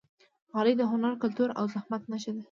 غالۍ د هنر، کلتور او زحمت نښه ده.